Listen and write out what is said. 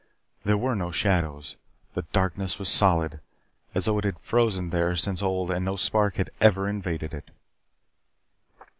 There were no shadows. The darkness was solid, as though it had frozen there since old and no spark had ever invaded it.